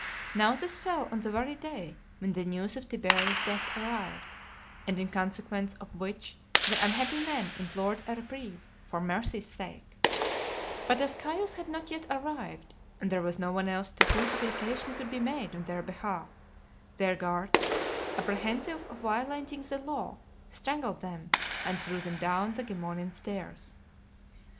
Now this fell on the very day when the news of Tiberius's death arrived, and in consequence of which the unhappy men implored a reprieve, for mercy's sake; but, as Caius had not yet arrived, and there was no one else to whom application could be made on their behalf, their guards, apprehensive of violating the law, strangled them, and threw them down the Gemonian stairs.